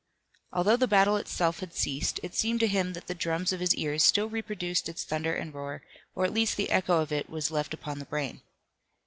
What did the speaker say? Although the battle itself had ceased, it seemed to him that the drums of his ears still reproduced its thunder and roar, or at least the echo of it was left upon the brain.